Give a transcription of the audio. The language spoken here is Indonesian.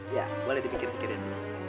ya boleh dipikir pikirin